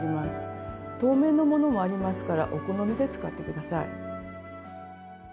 透明の物もありますからお好みで使って下さい。